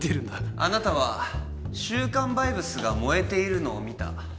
あなたは「週刊バイブスが燃えているのを見た」